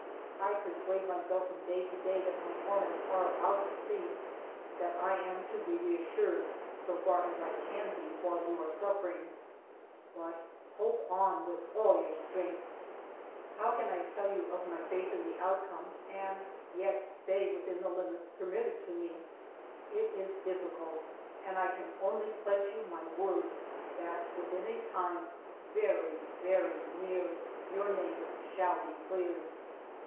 I persuade myself from day to day that my torments are about to cease, that I am to be reassured, so far as I can be while you are suffering. But hope on with all your strength ! 266 FIVE YEARS OF MY LIFE How can I tell you my faith In the outcome, and yet stay within the limits permitted to me? It is difficult, and I can only pledge you my word that within a time very, very near, your name shall be cleared.